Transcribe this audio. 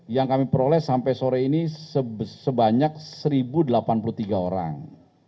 yang kami peroleh sampai sore ini sebanyak satu delapan puluh tiga orang